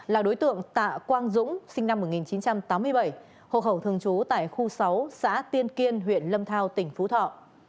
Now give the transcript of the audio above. là đối tượng tạ quang dũng sinh năm một nghìn chín trăm tám mươi bảy hộ khẩu thường trú tại khu sáu xã tiên kiên huyện lâm thao tỉnh phú thọ